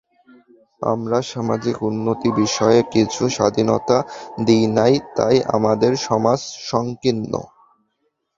আমরা সামাজিক উন্নতি-বিষয়ে কিছু স্বাধীনতা দিই নাই, তাই আমাদের সমাজ সঙ্কীর্ণ।